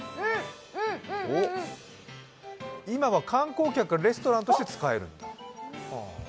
今は観光客がレストランとして使えるんだ。